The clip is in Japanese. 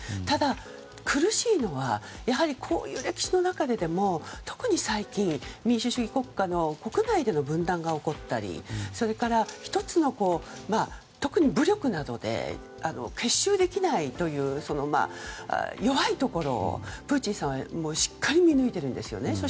ただ、苦しいのはこういう歴史の中でも特に最近、民主主義国家の国内での分断が起きたりそれから１つの特に武力などで結集できない弱いところをプーチンさんはしっかり見抜いてるんですよね。